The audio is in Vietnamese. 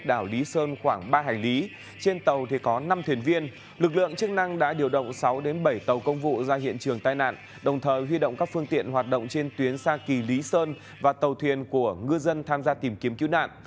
đảo lý sơn khoảng ba hải lý trên tàu có năm thuyền viên lực lượng chức năng đã điều động sáu bảy tàu công vụ ra hiện trường tai nạn đồng thời huy động các phương tiện hoạt động trên tuyến xa kỳ lý sơn và tàu thuyền của ngư dân tham gia tìm kiếm cứu nạn